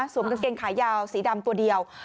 กางเกงขายาวสีดำตัวเดียว